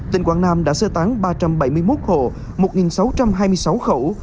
tỉnh quảng nam đã sơ tán ba trăm bảy mươi một hộ một sáu trăm hai mươi sáu khẩu